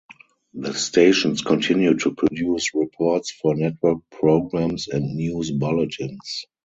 The stations continued to produce reports for network programs and news bulletins.